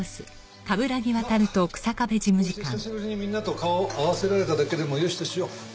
まっこうして久しぶりにみんなと顔を合わせられただけでもよしとしよう。